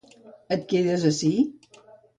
Et quedes ací?